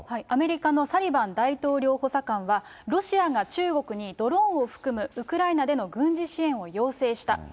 アメリカのサリバン大統領補佐官は、ロシアが中国にドローンを含むウクライナでの軍事支援を要請した。